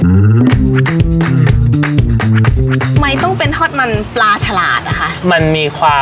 ทำไมต้องเป็นทอดมันปลาฉลาดอะคะ